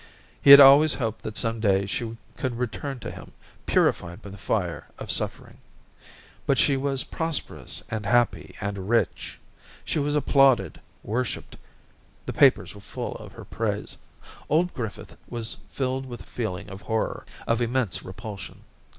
He had always hoped that some day she could return to him, purified by the fire of suffering. ... But she was prosperous and happy and rich. She was applauded, worshipped ; the papers were full of her praise. Old Griffith was filled with a feeling of horror, of immense repulsion.